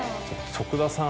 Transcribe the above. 徳田さん